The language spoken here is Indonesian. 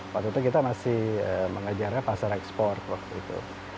waktu itu kita masih mengejarnya pasar ekspor waktu itu